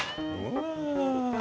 うわ。